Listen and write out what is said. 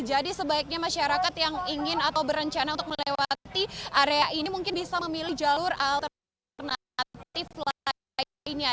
jadi sebaiknya masyarakat yang ingin atau berencana untuk melewati area ini mungkin bisa memilih jalur alternatif lainnya